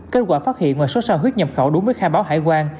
kết quả phát hiện ngoài số so huyết nhập khẩu đúng với khai báo hải quan